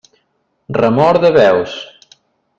Remor de veus.